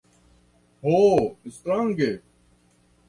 Ho, strange!